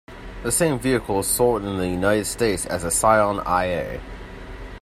The same vehicle is sold in the United States as the Scion iA.